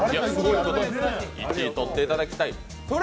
ぜひ、１位、とっていただきたい。